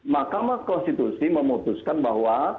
makamah konstitusi memutuskan bahwa